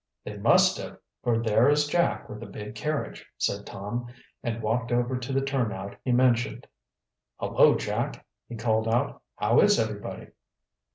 "They must have, for there is Jack with the big carriage," said Tom, and walked over to the turnout he mentioned. "Hullo, Jack!" he called out. "How is everybody?"